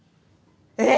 え！